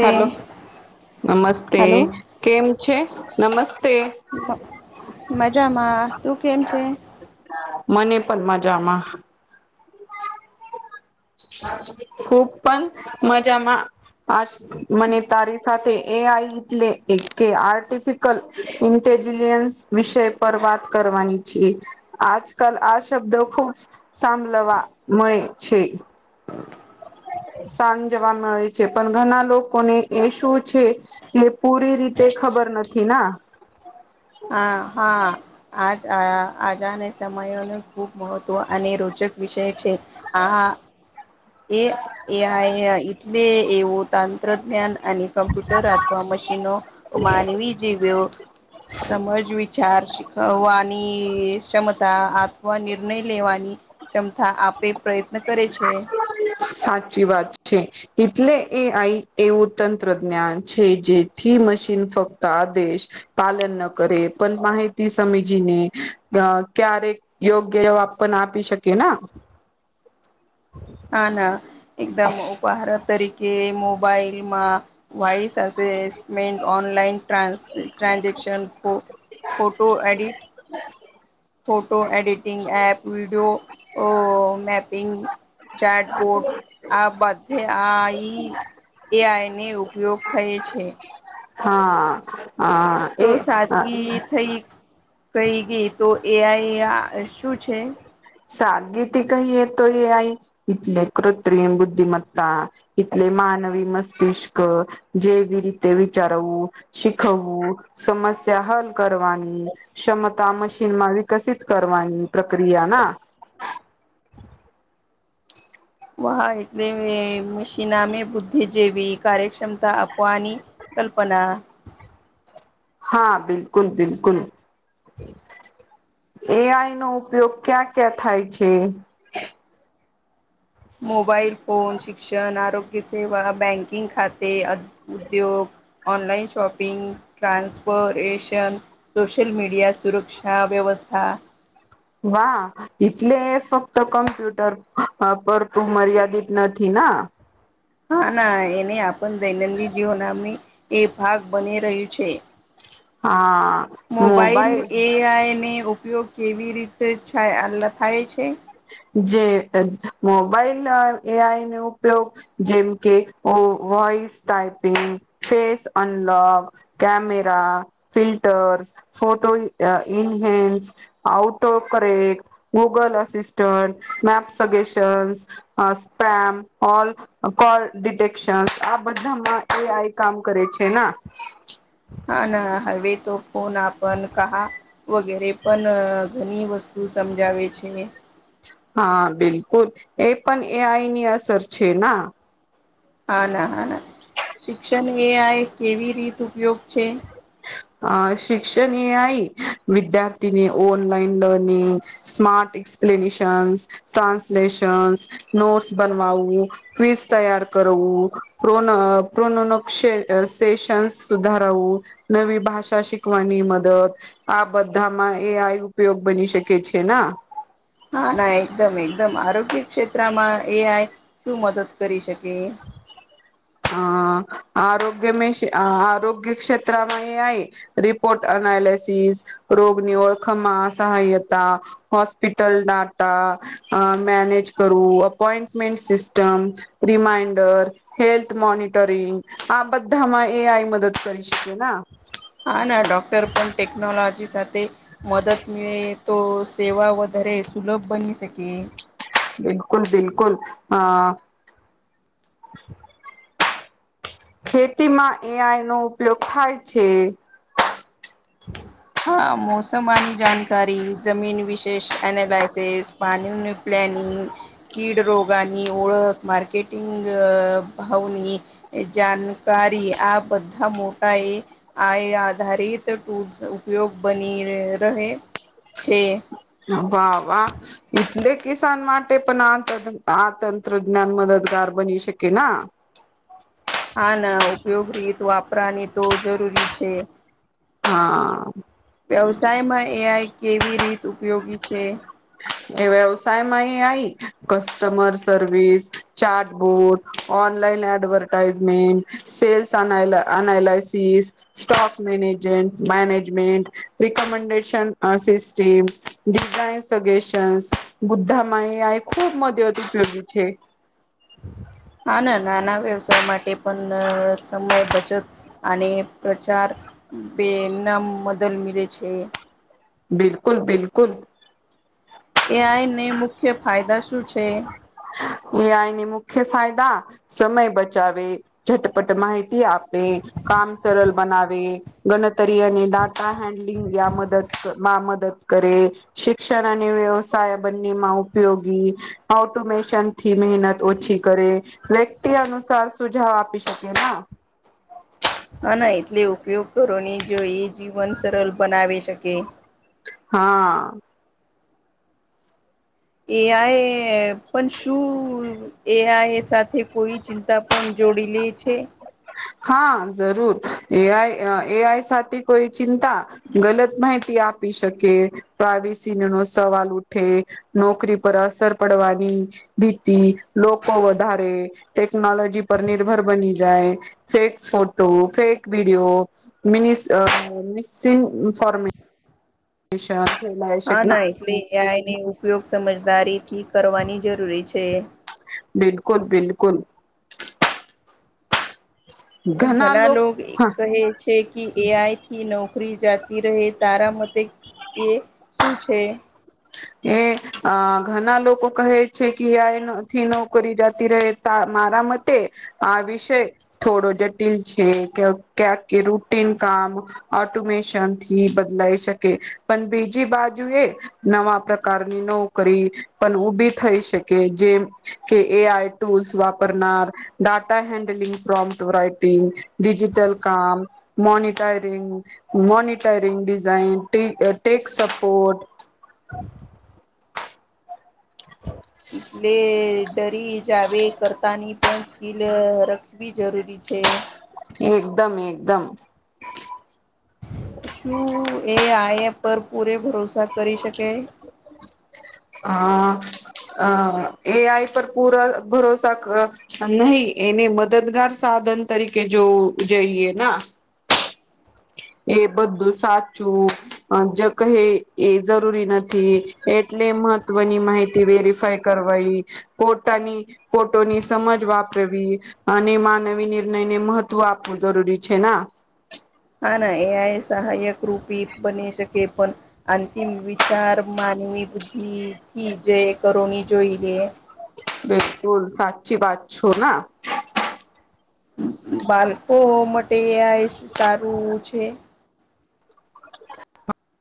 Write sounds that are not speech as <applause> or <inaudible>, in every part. હાલો નમસ્તે હલો કેમ છે નમસ્તે. મજામાં તું કેમ છે? મને પણ મજામાં. ખુબ પણ મજામાં મને તારી સાથે એ આઈ એટલે કે આર્ટિફિશયલ ઇન્ટેલિજન્સ વિષય પર વાત કરવાની છીએ આજકાલ આ શબ્દો ખુબ સાંભળવા મળે છે‌. સાંજવા જવા મળે છે પણ ઘણા લોકોને એ શું છે- એ પૂરી રીતે ખબર નથી ના. હા હા આજ આજા અને સમય ન ખૂબ મહત્વ અને રોચક વિષય છે. હ હા એ ટલે એવું તંત્રજ્ઞાન અને કમ્પ્યુટર અથવા મશીનો માનવી જેવઓ સમજ વિચાર શખવાની ક્ષમતા આત્મનિર્ભર નિર્ણય લેવાની ક્ષમતા આપે પ્રયત્ન કરે છે. સાચી વાત છે. એટલે એ આઈ એવું તંત્રજ્ઞાન છે જેથી મશીન ફક્ત આ દેશ પાલન ન કરે પણ માહિતી સમીજીને ક્યારેક યોગ્ય આપને આપી શકી ના! ના ના એકદમ ઉપહાર તરીકે મોબાઈલમાં વસમેન્ટ online trans transaction photo edit હ photo editing app video mapping chat board આ બધે આ એ આઈને ઉપયોગ થઈ છે. હા હ તો સાદગી થઈ કઈ ગઈ તો એ આ શું છે સાદગીથી કહી એતોય આઈ તથલે કૃત્રિમ બુદ્ધિમત્તા એટલે માનવી મસ્તિષ્ક જેવી રીતે વિચારવું શીખવવું, સમસ્યા હલ કરવાની, ક્ષમતા મશીનમાં વિ કસિત કરવાની પ્રક્રિયાના વાહા એટલે મશીનામે બુદ્ધિ જેવી કાર્યક્ષમતા આપવાની. કલ્પના હા, બિલકુલ. બિલકુલ. એ આઈનો ઉપયોગ ક્યાં ક્યાં થાય છે? મોબાઈલ ફોન, શિક્ષણ, આરોગ્ય-સેવા, બ બેંકિંગ ખાતે, ઉદ્યોગ ઓનલાઈન શોપિંગ, ટ્રાન્સફરેશન સોશિયલ મીડિયા, સુરક્ષા વ્યવસ્થા વાહ! એટલે ફક્ત કમ્પ્યુટર પર તું મર્યાદિત નથી ના. હા, ના એને આપણ દૈનિક જીવન એ ભાગ બની રહ્યું છે. હા. મોબાાઈલ મોબાઈલ એઆઈને ઉપયોગ કેવી રીતે થાય છે. જે મોબાઈલના એઆઈ નો ઉપયોગ જેમ કે, voice typing face unlock camera, filters, photo, ઇનહેલ્સ આઉટ ઓ કરે Google અસિસ map suggestion, spam, call detail આ બધામાં એ આઈ કામ કરે છે ના. હા, ના હવે તો ફોન આપન કાહા. વગેરે પણ ઘણી વસ્તુ સમજાવે છે. હા, બિલકુલ એ પણ એ આઈની અસર છે ના. હા, ના હા, ના શિક્ષણ એ આઈ કેવી રીત ઉપયોગ છે? અ શિક્ષણ એ આઈ વિદ્યાર્થીને online learning smart explanations, translations notes બનવાવું. ક્વિઝ તૈયાર કરવું પ્રો પ્રો સેશન્ સુધાર નવું નવી ભાષા શિકવાની મદત આ બધામાં એ આઈ ઉપયોગ બની શકે છે ના. હા, ના એકદમ એકદમ આરોગ્ય ક્ષેત્રમાં એ આઈ શું મદદ કરી શકે? હ. આરોગ્યો મે આરોગ્ય ક્ષેત્રમાં એ આઈ રિપોર્ટ એનાલિસિસ રોગની ઓળખમાં સહાયતા, હોસ્પિટલ ડાટા અ મેનેજ કરું appointment system, reminder health monitoring આ બધામાં એ આઈ મદદ કરી શકે ના. હા, ના ડોક્ટર પણ ટેકનોલોજી સાથે મદદ મળે તો સેવા વધારે સુલભ બની શકે. બિલકુલ, બિલકુલ અ. ખેતીમાં એઆઈનો ઉપયોગ થાય છે. હા, મોસામાની જાણકારી, જમીન વિશેષ એનાલાઇસેસ પ્લાનિંગનુ પ્લેનિંગ કીડરોગાની ઓળખ માર્કેટિંગ ભાવુની જાણકારી આ બધા મોટા એ આ એ આધારિત ટૂ ઉપયોગ બની રહે છે. વાહ વાહ. એટલે કિસાન માટે પણ આ આ તંત્રજ્ઞાન મદદગાર બની શકે ના. હા, ના ઉપયોગ રીત વાપરાની તો જરૂરી છે. હા. વ્યવસાયમાં એ આઈ કેવી રીત ઉપયોગી છે? એ વ્યવસાયમાં એ આવીય customer service chatbot. Online advertisement, sales અનાય analysis. Stock management management. Recommendation અસિસટીમ designs suggestions બુદ્ધામાંય આ ખૂબ મદદ ઉપયોગી છે. હા ને નાના વ્યવસાય માટે પણ સમય બચત અને પ્રચાર બેના મદદ મીલે છે. બિલકુલ બિલકુલ. એ આઈ ને મુખ્ય ફાયદા શું છે? એ આઈના મુખ્ય ફાયદા સમય બચાવે. ઝટપટ માહિતી આપે, કામ સરલ બનાવે. ગનતરી અને ડાટા હેન્ડલિંગ યા મદદમાં મદદ કરે. શિક્ષણ અને વ્યવસાય બંનેમાં ઉપયોગી. ઓટોમેશનથી મહેનત ઓછી કરે. વ્યક્તિ અનુસાર સુજાવ આપી શકીએ ના. હ ના એટલે ઉપયોગ તો રોની જોઈએ જીવન સરલ બનાવી શકે. હા. એ આઈ પણ શું એ આઈ સાથે કોઈ ચિંતા પણ જોડી લે છે? હા ઝરૂર એ આઈ એ આઈ સાથે કોઈ ચિંતા ગલત માહિતી આપી શકે પ્રાઇવેસીનો સવાલ ઉઠે. નોકરી પર અસર પડવાની. ભીતિ, લોકો વધારે ટેકનોલોજી પર નિર્ભર બની જાય. ફેક ફોટો, ફેક વિડીયો મિનીસ મિસિન્ગ ઇન્ફરમે <unintelligible> હા ના એટલી એની ઉપયોગ સમજદારીથી કરવાની જરૂરી છે. બિલકુલ બિલકુલ. પણ ઘણા લોકો ઈ કહે. છે કી એ આઈ થી નોકરી જાતી રહે તારા મતે એ શું છે? એ અ ઘના લોકો કહે છે કે એ આઈ નથી નોકરી જાતી રહે. તા મારા મતે આ વિષય થોડો જટિલ છે કયો ક્યાંક કે રૂટીન કામ ઓટોમેશનથી બદલાઈ શકે પણ બીજી બાજુએ નવા પ્રકારની નોકરી પણ ઉભી થઈ શકે જે મકે એ આઈ ટૂલ્સ વાપરનાર data handling, prompt writing, digital કામ મોનિટરિંગ મોનિટરિંગ ડિઝાઇન ટે ટેક સપોર્ટ. હા એટલે ડરી જાવે કરતાની પણ સ્કીલ રખવી જરૂરી છે. એકદમ એકદમ. શું એ આઈ એ પર પૂરે ભરોસા કરી શકે? અ અ એ આઈ પર પૂરો ભરોસા નહીં એને મદદગાર સાધન તરીકે જોવું જોઈએ ના. એ બધું સાચું અ જ કહે એ જરૂરી નથી. એટલે મહત્વની માહિતી વેરીફાય કરવાઈ, પોતાની ફોટોની સમજ વાપરવી. અને માનવી નિર્ણયને મહત્વ આપવું જરૂરી છે ના. હા, ના, એઆઈ સહાયક રૂપી બની શકે, પણ અંતિમ વિચાર, માનવી બુદ્ધિ થી જય કરોની જોઈએ. બિલકુલ, સાચી વાત છું ના. બાળકો માટે આ સારું છે.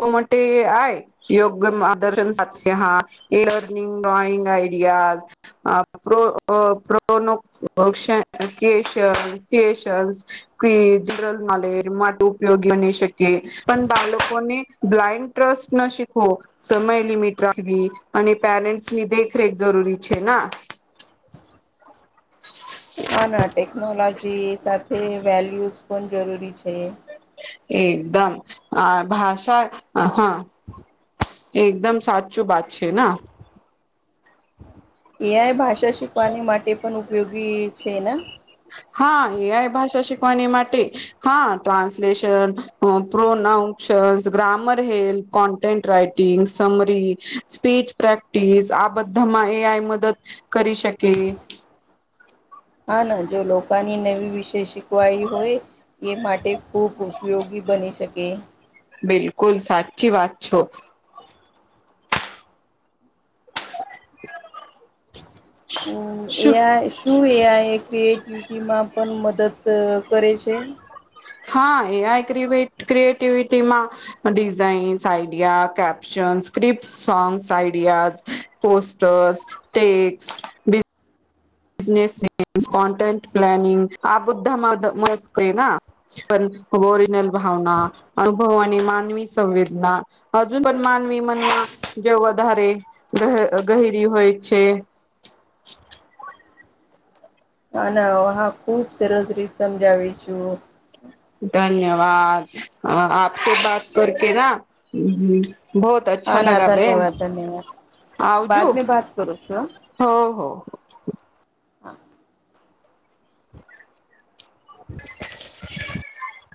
બો મોટી આય. યોગ્ય માદર્શન સાથે હા, એ લર્નિંગ ડ્રોઈંગ આઈડિયાઝ. પ્રો પ્રો કશ ક્રશન. <unintelligible> કે જનરલ માલે માટે ઉપયોગી બની શકે, પણ બાળકોને બ્લાઇન્ડ ટ્રસ્ટ ન શિકો. સમય લિમિટ રાખવી અને પેરેન્ટ્સ ની દેખરેખ જરૂરી છે ના. હા, ના ટેકનોલોજી સાથે વેલ્યુઝ પણ જરૂરી છે. એકદમ આ ભાષા, હા. એકદમ સાચું વાત છે. એ. આઈ ભાષા શીખવાની માટે પણ ઉપયોગી છે ને. હા, એ ભાષા શીખવાની માટે. હા, translation, pronunciations, grammar help. Content writing, summary speech practice આ બધામાં એ. આઈ મદદ કરી શકે. હા, ના જો લોકોની નવી વિષય શીખવાઈ હોય. એ માટે ખૂબ ઉપયોગી બની શકે. બિલકુલ, સાચી વાત છો. હમ, એ. શું આઈ. શું એ આ એ ક્રિએટિવિટીમાં પણ મદદ કરે છે? હા, એ આ ક્રિએટીવિટી માં. Designs, idea, caption, script, songs, ideas, posters. તે બી. બિઝનેસ કોન્ટેન્ટ પ્લાનિંગ આ બધા કરે. પણ ઓરિજનલ ભાવના અનુભવાની માનવી સંવેદના. હજુ પણ માનવી મનમાં જેવ વધારે ગ ગહેરી હોય છે. ના, ના, હા, ખુબ સરસ રીત સમજાવી છું. ધન્યવાદ, આપથી બાત કર કે ના હ. બહુત હા અચ્છા ના લગા, બેન. ધન્યવાદ ધન્યવાદ બાદ આવજો. મે બાત કરું છું હા. ઓ હો. <unintelligible>